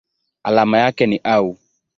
Alama yake ni Au.